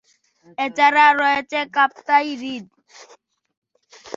এছাড়া রয়েছে কাপ্তাই হ্রদ।